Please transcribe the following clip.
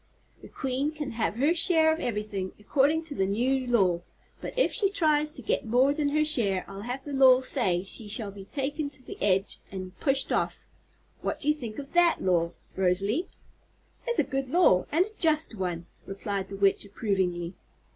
The Queen can have her share of ever'thing, 'cordin' to the new law, but if she tries to get more than her share I'll have the law say she shall be taken to the edge an' pushed off. What do you think of that law, Rosalie?" "It's a good law, and a just one," replied the Witch approvingly.